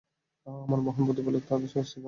এবং আমার মহান প্রতিপালক তাদের শাস্তিদান করবেন।